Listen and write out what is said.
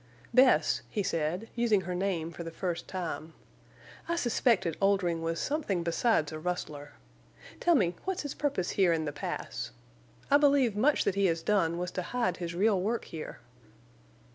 "Bess," he said, using her name for the first time, "I suspected Oldring was something besides a rustler. Tell me, what's his purpose here in the Pass? I believe much that he has done was to hide his real work here."